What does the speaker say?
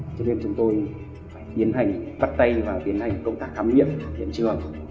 cho nên chúng tôi phải tiến hành bắt tay và tiến hành công tác khám nghiệm hiện trường